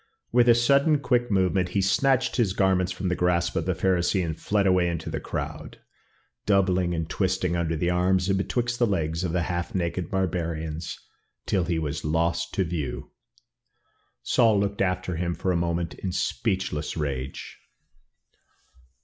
With a sudden, quick movement, he snatched his garments from the grasp of the Pharisee and fled away into the crowd, doubling and twisting under the arms and betwixt the legs of the half naked barbarians till he was lost to view. Saul looked after him for a moment in speechless rage.